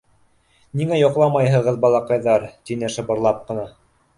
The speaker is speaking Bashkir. — Ниңә йоҡламайһығыҙ, балаҡайҙар? — тине шыбырлап ҡына.